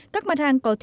các mặt hàng có thể